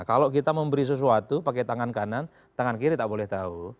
kalau kita memberi sesuatu pakai tangan kanan tangan kiri tak boleh tahu